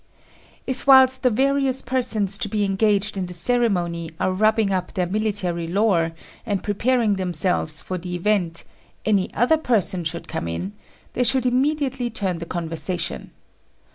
If whilst the various persons to be engaged in the ceremony are rubbing up their military lore, and preparing themselves for the event, any other person should come in, they should immediately turn the conversation.